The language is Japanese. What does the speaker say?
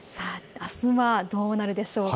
あすはどうなるでしょうか。